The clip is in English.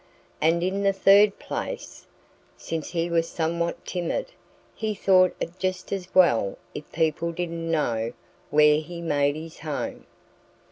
And in the third place, since he was somewhat timid he thought it just as well if people didn't know where he made his home.